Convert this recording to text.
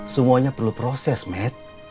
semuanya perlu proses med